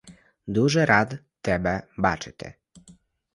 Дуже рад тебе бачити.